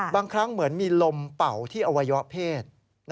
บางครั้งเหมือนมีลมเป่าที่อวัยวะเพศ